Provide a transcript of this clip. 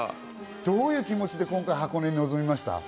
どういう気持ちで箱根に臨みました？